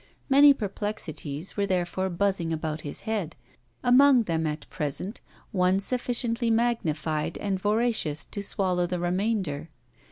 Many perplexities were therefore buzzing about his head; among them at present one sufficiently magnified and voracious to swallow the remainder.